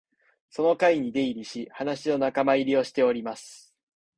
その会に出入りし、話の仲間入りをしております